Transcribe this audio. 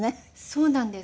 そうなんです。